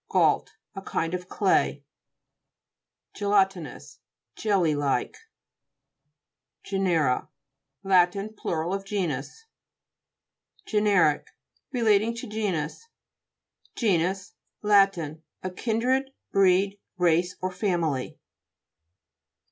GAULT A kind of clay (p. 71), GELA'TIITOUS Jelly like. GE'X ERA Lat Plur. of genus. GENE'RIC Relating to genus. GE'UUS Lat. A kindred, breed, race or family.